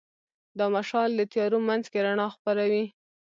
دا مشال د تیارو منځ کې رڼا خپروي.